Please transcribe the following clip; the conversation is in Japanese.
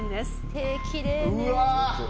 手、きれいね。